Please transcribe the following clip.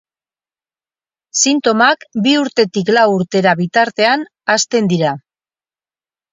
Sintomak bi urtetik lau urtera bitartean hasten dira.